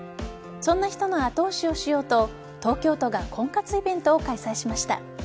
そんな人の後押しをしようと東京都が婚活イベントを開催しました。